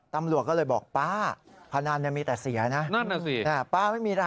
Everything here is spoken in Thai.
ตำรวจก็เลยบอกป้าพนันมีแต่เสียนะ